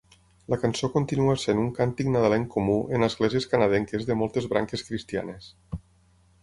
La cançó continua sent un càntic nadalenc comú en esglésies canadenques de moltes branques cristianes.